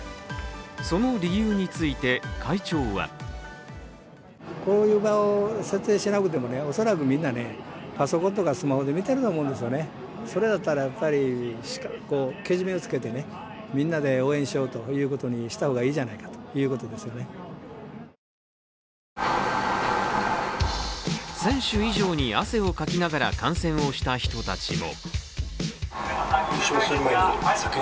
その理由について会長は選手以上に汗をかきながら観戦した人たちも。